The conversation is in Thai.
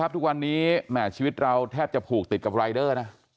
ทุกวันนี้แหม่ชีวิตเราแทบจะผูกติดกับรายเดอร์นะ